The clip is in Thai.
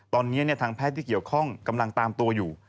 ตอนนี้ทางแพทย์ที่เกี่ยวข้องกำลังตามตัวอยู่